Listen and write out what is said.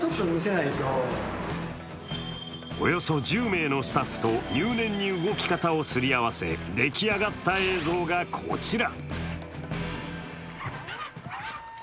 およそ１０名のスタッフと入念に動き方を擦り合わせ出来上がった映像がこちら。